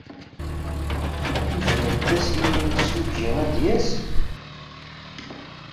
Tuznemt-as i yimsujji ad d-yas?